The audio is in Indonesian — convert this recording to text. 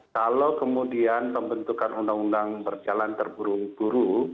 kalau kemudian pembentukan undang undang berjalan terburu buru